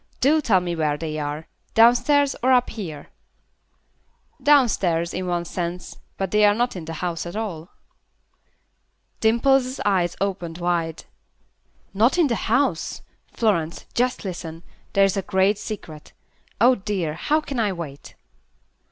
Do tell me where they are. Downstairs or up here?" "Downstairs, in one sense, but they are not in the house at all." Dimple's eyes opened wide. "Not in the house? Florence, just listen. There is a great secret. Oh, dear, how can I wait?"